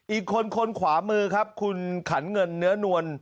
อีกคนคนขวามือครับคุณขันเงินเนื้อนวล